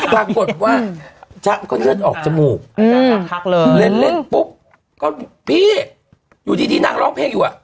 ปรากฏว่าจ๊ะก็เลือดออกจมูกจ๊ะเลยเล่นเล่นปุ๊บก็พี่อยู่ดีนางร้องเพลงอยู่อ่ะ